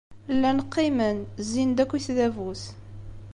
Llan qqimen, zzin-d akk i tdabut.